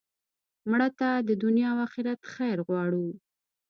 مړه ته د دنیا او آخرت خیر غواړو